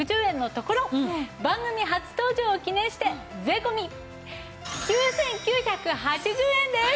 番組初登場を記念して税込９９８０円です！